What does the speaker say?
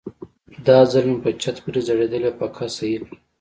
دا ځل مې په چت پورې ځړېدلې پکه سهي کړه.